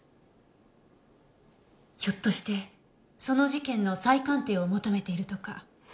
ひょっとしてその事件の再鑑定を求めているとか？